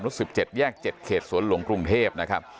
รุ่นสิบเจ็ดแยกเจ็ดเขตสวนหลวงกรุงเทพนะครับ